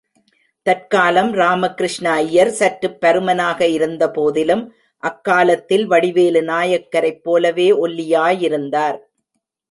தற்காலம் ராமகிருஷ்ண ஐயர் சற்றுப் பருமனாக இருந்தபோதிலும், அக்காலத்தில் வடிவேலு நாயகரைப் போலவே ஒல்லியாயிருந்தார்.